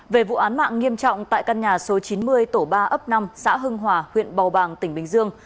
về vụ án mạng nghiêm trọng tại căn nhà số chín mươi tổ ba ấp năm xã hưng hòa huyện bầu bàng tỉnh bình dương